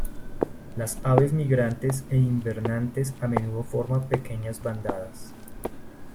Las aves migrantes e invernantes a menudo forman pequeñas bandadas.